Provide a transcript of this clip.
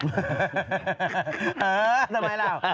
เออทำไมเล่า